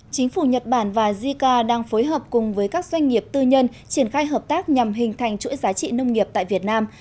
chính phủ nhật bản và jica đang phối hợp cùng với các doanh nghiệp tư nhân triển khai hợp tác nhằm hình thành chuỗi giá trị nông nghiệp tại việt nam